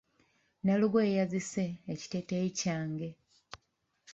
Nalugo yeeyazise ekiteeteeyi kyange.